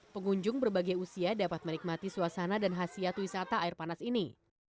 pengunjung berbagai usia dapat menikmati suasana dan khasiat wisata air panas ini